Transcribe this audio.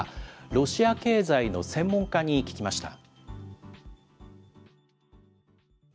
ロシア経済の専門家に聞きました。